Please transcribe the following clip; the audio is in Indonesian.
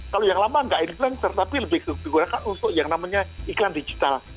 kalau yang lama nggak influencer tapi lebih digunakan untuk yang namanya iklan digital